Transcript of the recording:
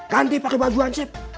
ganti pakai baju ansip